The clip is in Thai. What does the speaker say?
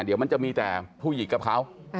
เดี๋ยวมันจะมีแต่ผู้หญิงกับเขา